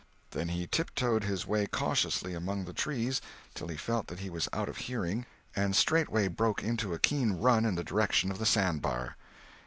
Then he tiptoed his way cautiously among the trees till he felt that he was out of hearing, and straightway broke into a keen run in the direction of the sandbar.